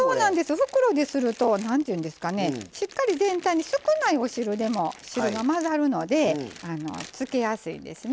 袋ですると何ていうんですかねしっかり全体に少ないお汁でも汁が混ざるので漬けやすいんですね。